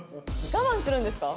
我慢するんですか？